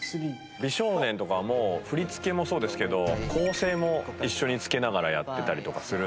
美少年とこはもう振り付けもそうですけど構成も一緒につけながらやってたりとかするので。